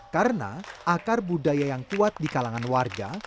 karena akar budaya yang kuat di kalangan warga